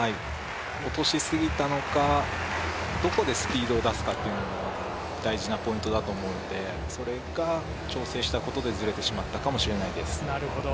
落としすぎたのか、どこでスピードを出すかというのが大事なポイントだと思うのでそれが調整したことでずれてしまったかもしれないです。